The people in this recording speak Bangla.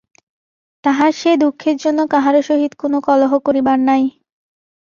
তাহার সে দুঃখের জন্য কাহারো সহিত কোনো কলহ করিবার নাই।